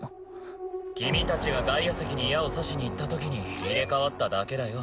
君達が外野席に矢を刺しに行ったときに入れ替わっただけだよ